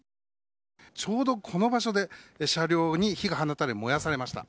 ちょうど、この場所で車両に火が放たれ燃やされました。